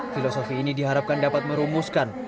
filosofi ini diharapkan dapat merumuskan